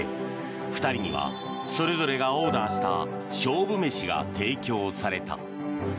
２人にはそれぞれがオーダーした勝負飯が提供された。